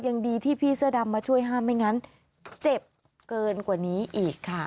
ยังดีที่พี่เสื้อดำมาช่วยห้ามไม่งั้นเจ็บเกินกว่านี้อีกค่ะ